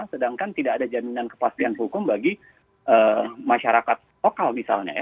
sedangkan tidak ada jaminan kepastian hukum bagi masyarakat lokal misalnya ya